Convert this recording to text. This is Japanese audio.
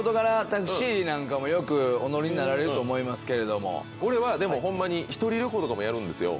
タクシーなんかもよくお乗りになられると思いますけど俺はでもほんまに１人旅行とかもやるんですよ